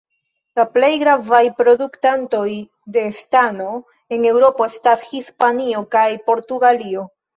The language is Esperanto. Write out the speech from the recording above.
La plej gravaj produktantoj de stano en Eŭropo estas Hispanio kaj Portugalio.